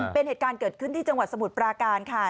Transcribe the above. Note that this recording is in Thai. เป็นเหตุการณ์เกิดขึ้นที่จังหวัดสมุทรปราการค่ะ